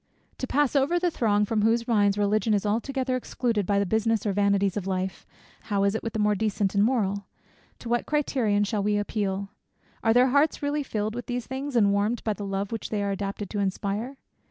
To pass over the throng from whose minds Religion is altogether excluded by the business or the vanities of life, how is it with the more decent and moral? To what criterion shall we appeal? Are their hearts really filled with these things, and warmed by the love which they are adapted to inspire?